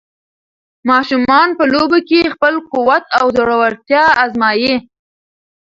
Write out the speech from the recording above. ماشومان په لوبو کې خپل قوت او زړورتیا ازمويي.